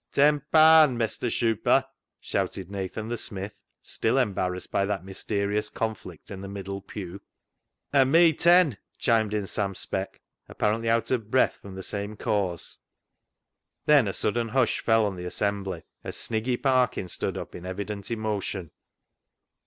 " Ten paand, Mestur Shuper," shouted Nathan the smith, still embarrassed by that mysterious conflict in the middle pew. "THE ZEAL OF THINE HOUSE" 323 " An' me ten," chimed in Sam Speck, apparently out of breath from the same cause. Then a sudden hush fell on the assembly as Sniggy Parkin stood up, in evident emotion.